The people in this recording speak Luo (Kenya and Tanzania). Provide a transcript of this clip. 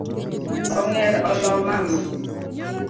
Ong’er olo mama